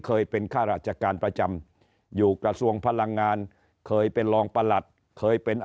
เคยเป็นข้าราชการประจำอยู่กระทรวงพลังงานเคยเป็นรองประหลัดเคยเป็น